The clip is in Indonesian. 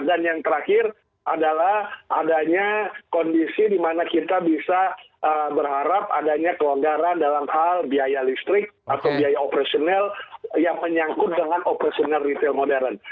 dan yang terakhir adalah adanya kondisi di mana kita bisa berharap adanya kelonggaran dalam hal biaya listrik atau biaya operasional yang menyangkut dengan operasional retail modern